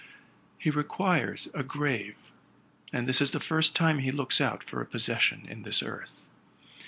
He requires a grave, and this is the first. time he looks out for a possession in this earth.